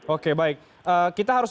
oke baik kita harus